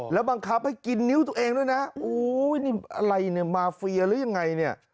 แล้วบังคับให้กินนิ้วตัวเองด้วยนะโอ้ยนี่อะไรเนี่ยมาเฟียหรือยังไงเนี่ย